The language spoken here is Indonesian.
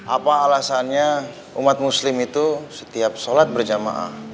apa alasannya umat muslim itu setiap sholat berjamaah